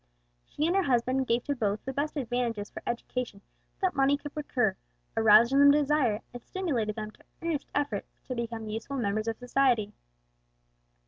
She and her husband gave to both the best advantages for education that money could procure, aroused in them the desire, and stimulated them to earnest efforts to become useful members of society.